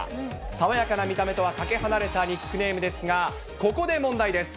爽やかな見た目とはかけ離れたニックネームですが、ここで問題です。